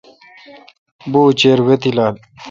بوُچیر وے°تیلال۔